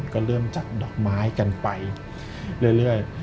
ก็เริ่มจัดดอกไม้กันไปเรื่อย